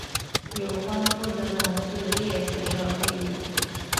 有关负责同志列席了会议。